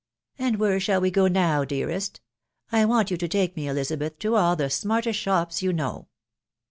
" And where shall we go now, dearest? .... I want you to take me, Elizabeth, to all the smartest shopsyou know."